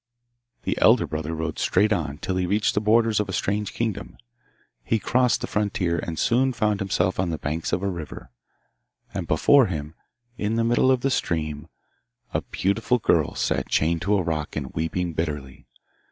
The elder brother rode straight on till he reached the borders of a strange kingdom. He crossed the frontier, and soon found himself on the banks of a river; and before him, in the middle of the stream, a beautiful girl sat chained to a rock and weeping bitterly.